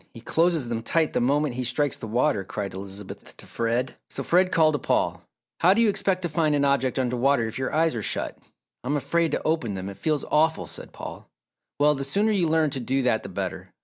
He closes them tight the moment he strikes the water," cried Elizabeth to Fred. So Fred called to Paul, "How do you expect to find an object under water if your eyes are shut?" "I'm afraid to open them, it feels awful," said Paul. "Well, the sooner you learn to do that the better.